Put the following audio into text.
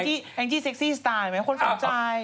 แองจี้เซ็กซี่สไตล์ไหมคนสนใจ